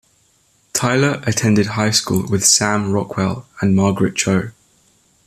Tyler attended high school with Sam Rockwell, and Margaret Cho.